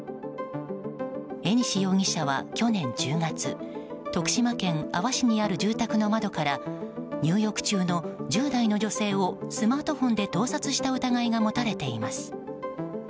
江西容疑者は去年１０月徳島県阿波市にある住宅の窓から入浴中の１０代の女性をスマートフォンで盗撮した疑いが持たれています。